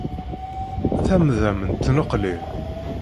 Tamda m tneqlin.